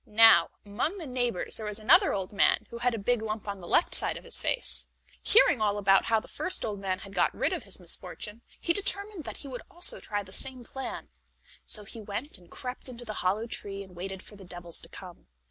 Now, among the neighbors there was another old man who had a big lump on the left side of his face. Hearing all about how the first old man had got rid of his misfortune, he determined that he would also try the same plan. So he went and crept into the hollow tree, and waited for the devils to come.